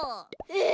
え！